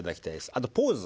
あとポーズ。